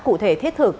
cụ thể thiết thực